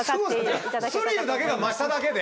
スリルだけが増しただけで。